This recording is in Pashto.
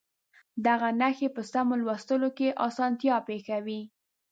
دغه نښې په سمو لوستلو کې اسانتیا پېښوي.